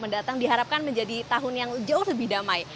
mendatang diharapkan menjadi tahun yang jauh lebih damai